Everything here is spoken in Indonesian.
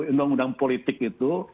undang undang politik itu